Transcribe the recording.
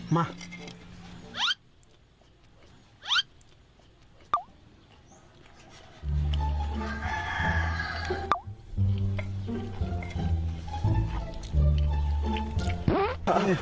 มา